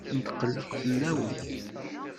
Netqelleq fell-awen.